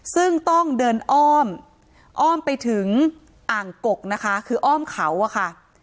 ซึ่งต้องเดินอ้อมอ้อมไปถึงอ่างกกนะคะคืออ้อมเขาอะค่ะ